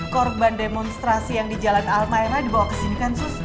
korban demonstrasi yang di jalan almayra dibawa kesini kan sus